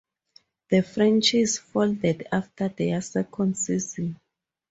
The franchise folded after their second season.